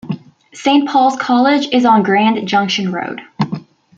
Saint Pauls College is on Grand Junction Road.